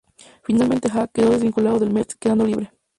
Finalmente Ahn quedó desvinculado del Metz, quedando libre.